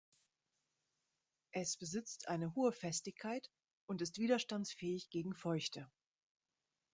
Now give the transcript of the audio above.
Es besitzt eine hohe Festigkeit und ist widerstandsfähig gegen Feuchte.